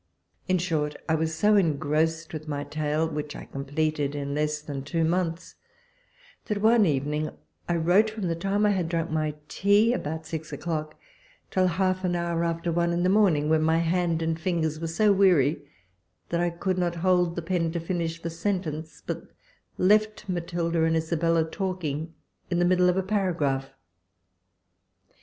In short, I was so engrossed with my tale, which I completed in less than two months, that one evening, I wrote from the time I had drunk my tea, about six o'clock, till half an hour after one in the morning, when my hand and fingers were so weary, that I could not hold the pen to finish the sentence, but left Matilda and Isabella talking, in the middle of a paragraph.